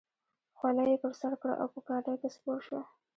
خولۍ یې پر سر کړه او په ګاډۍ کې سپور شو.